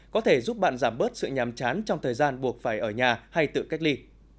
có thể giúp bạn giảm bớt sự nhảm chán trong thời gian buộc phải ở nhà hay tự cách ly